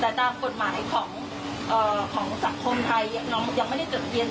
แต่ตามกฎหมายของเอ่อของสักคมไทยอ่ะน้องยังไม่ได้จดเรียน